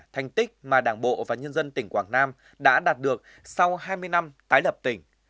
thành tích mà đảng bộ và nhân dân tỉnh quảng nam đã đạt được sau hai mươi năm tái lập tỉnh